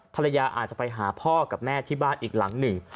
ภรรยาอาจจะไปหาพ่อกับแม่ที่บ้านอีกหลังหนึ่ง